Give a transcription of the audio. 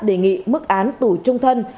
đề nghị mức án tù trung thân